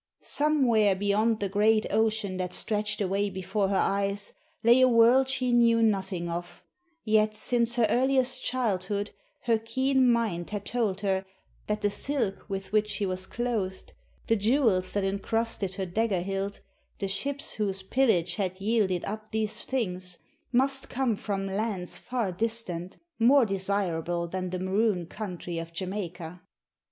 Somewhere beyond the great ocean that stretched away before her eyes lay a world she knew nothing of; yet since her earliest childhood her keen mind had told her that the silk with which she was clothed, the jewels that encrusted her dagger hilt, the ships whose pillage had yielded up these things, must come from lands far distant, more desirable than the maroon country of Jamaica.